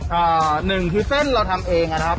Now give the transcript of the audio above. หนึ่งคือเส้นเราทำเองนะครับ